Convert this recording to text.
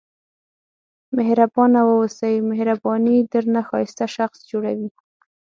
مهربانه واوسئ مهرباني درنه ښایسته شخص جوړوي.